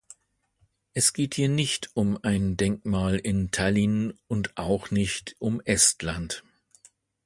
Es geht hier nicht um ein Denkmal in Tallinn und auch nicht um Estland.